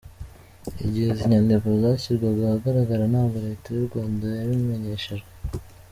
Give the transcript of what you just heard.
Igihe izi nyandiko zashyirwaga ahagaragara ntabwo Leta y’u Rwanda yabimenyeshejwe.